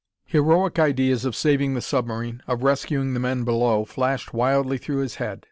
Heroic ideas of saving the submarine, of rescuing the men below, flashed wildly through his head.